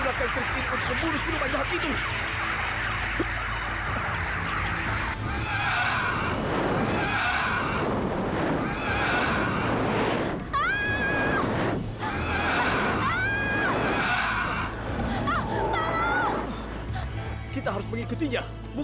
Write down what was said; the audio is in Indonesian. mas aku selalu mencintaimu